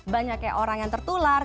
banyaknya orang yang tertular